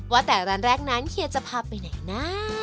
ว่าแต่ร้านแรกนั้นเฮียจะพาไปไหนนะ